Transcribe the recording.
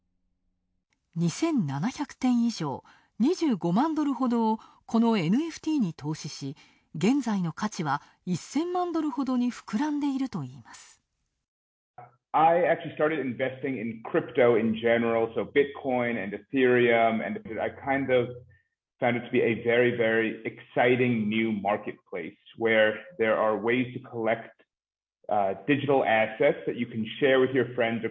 ２７００点以上、２５万ドルほどを、このＮＦＴに投資し、現在の価値は１０００万ドルほどに膨らんでいるといいます。